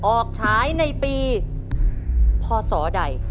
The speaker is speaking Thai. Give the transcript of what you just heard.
ออกฉายในปีพศไหน